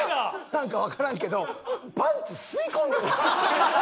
なんかわからんけどパンツ吸い込んでる。